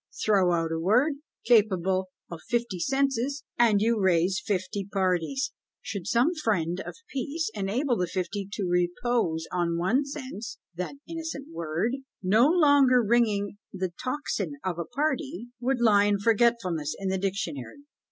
Throw out a word, capable of fifty senses, and you raise fifty parties! Should some friend of peace enable the fifty to repose on one sense, that innocent word, no longer ringing the tocsin of a party, would lie in forgetfulness in the Dictionary.